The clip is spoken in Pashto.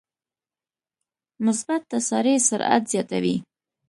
مثبت تسارع سرعت زیاتوي.